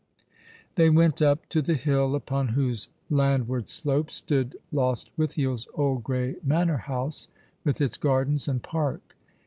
They went up to the hill upon whose landward slope stood Lostwithiel's old grey manor house, with its gardens and park.